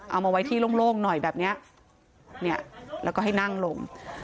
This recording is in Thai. เอามาไว้ที่โล่งหน่อยแบบเนี้ยแล้วก็ให้นั่งลง